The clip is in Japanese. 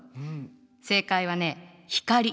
正解はね光。